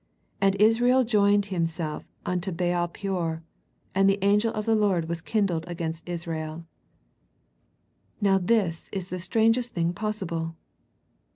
And Israel joined himself unto Baal peor; and the anger of the Lord zuas kindled against Israel/' Now this is the strangest thing possible.